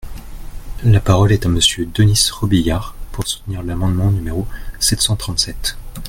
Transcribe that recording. La parole est à Monsieur Denys Robiliard, pour soutenir l’amendement numéro sept cent trente-sept.